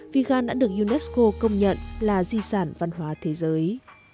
vgan đã được unesco công nhận là di sản văn hóa thế giới